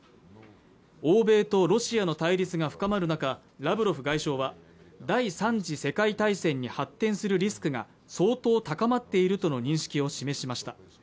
欧米とロシアの対立が深まる中ラブロフ外相は第３次世界大戦に発展するリスクが相当高まっているとの認識を示しました